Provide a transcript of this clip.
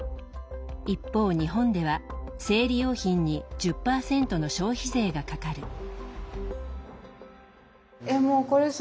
一方日本では生理用品に１０％の消費税がかかる。